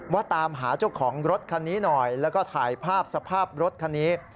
ว่าตามหาเจ้าของรถคันนี้หน่อยแล้วก็ถ่ายภาพสภาพรถคันนี้